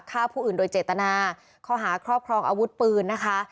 ฆ่าผู้อื่นโดยเจตนาข้อหาครอบครองอาวุธปืนนะคะ